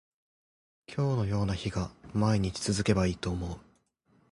今日のような日が毎日続けばいいと思う